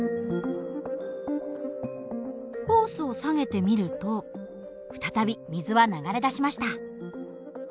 ホースを下げてみると再び水は流れ出しました。